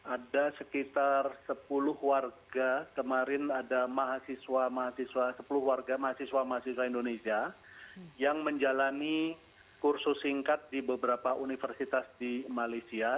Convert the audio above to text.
ada sekitar sepuluh warga kemarin ada mahasiswa mahasiswa sepuluh warga mahasiswa mahasiswa indonesia yang menjalani kursus singkat di beberapa universitas di malaysia